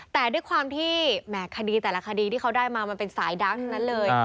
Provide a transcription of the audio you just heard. แต่ด้วยความที่แหม่คดีแต่ละคดีที่เขาได้มามันเป็นสายดาร์กทั้งนั้นเลย